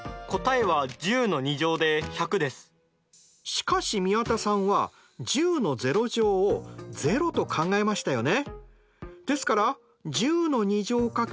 しかし宮田さんは１０を０と考えましたよね。